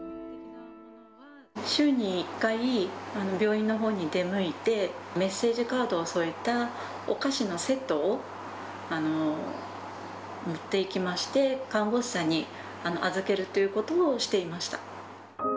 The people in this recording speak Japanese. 週に１回、病院のほうに出向いて、メッセージカードを添えたお菓子のセットを持っていきまして、看護師さんに預けるということをしていました。